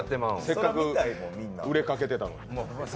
せっかく売れかけてたのに。